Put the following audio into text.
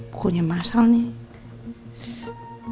bukunya masal nih